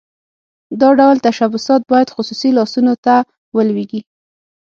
دا ډول تشبثات باید خصوصي لاسونو ته ولویږي.